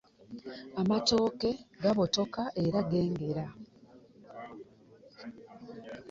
Amatooke gabotoka era gengera.